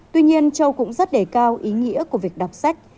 tuy nhiên châu cũng rất đề cao ý nghĩa của việc đọc sách